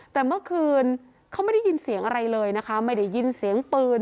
แต่เมื่อคืนเขาไม่ได้ยินเสียงอะไรเลยนะคะไม่ได้ยินเสียงปืน